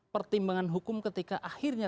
pertimbangan hukum ketika akhirnya